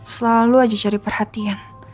selalu aja cari perhatian